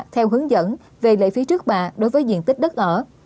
theo hướng dẫn về lệ phí trước bạ đối với diện tích đất ở